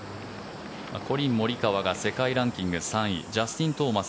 コリン・モリカワが世界ランキング３位ジャスティン・トーマス